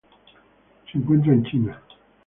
Se encuentra en China.